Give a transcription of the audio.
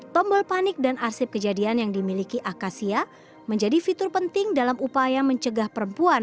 tombol panik dan arsip kejadian yang dimiliki akasia menjadi fitur penting dalam upaya mencegah perempuan